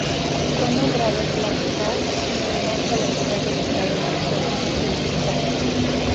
Fue nombrado Flagstaff en homenaje a la ciudad del estado de Arizona Flagstaff.